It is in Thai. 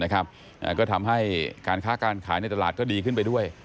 ก็ทำให้การค้าการขายในตลาดก็ดีขึ้นไปด้วย